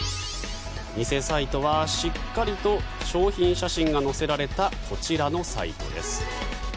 偽サイトはしっかりと商品写真が載せられたこちらのサイトです。